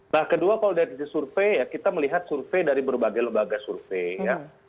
nah kedua kalau dari survei ya kita melihat survei dari berbagai lembaga survei ya